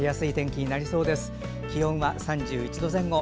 気温は３１度前後。